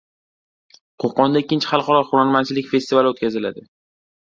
Qo‘qonda ikkinchi xalqaro hunarmandchilik festivali o‘tkaziladi